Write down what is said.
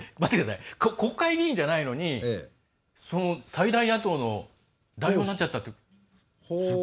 国会議員じゃないのに最大野党の代表になっちゃったんですか。